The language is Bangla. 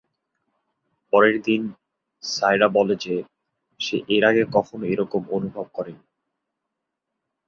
পরের দিন, সায়রা বলে যে, সে এর আগে কখনও এরকম অনুভব করেনি।